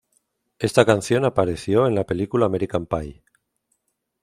Esta canción apareció en la película American Pie.